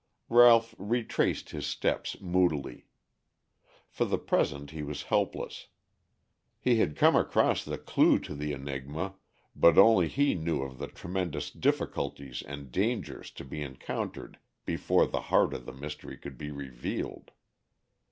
Ralph retraced his steps moodily. For the present he was helpless. He had come across the clue to the enigma, but only he knew of the tremendous difficulties and dangers to be encountered before the heart of the mystery could be revealed.